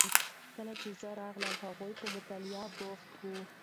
کله چې زه راغلم هغوی په مطالعه بوخت وو.